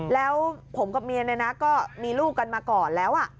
แล้วผมกับเมียเนี่ยนะก็มีลูกกันมาก่อนแล้ว